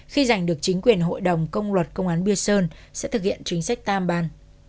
khi giành được chính quyền hội đồng công luật công an bia sơn sẽ thực hiện chính sách tam ban